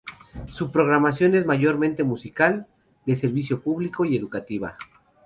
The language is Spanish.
Su programación es mayormente musical, de servicio público y educativa.